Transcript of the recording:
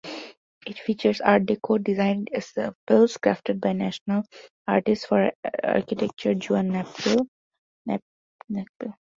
It features Art-Deco designed ensembles, crafted by National Artist for Architecture Juan Nakpil.